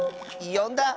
よんだ？